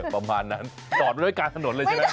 ประมาณนั้นตอบไปด้วยการถนนเลยใช่ไหม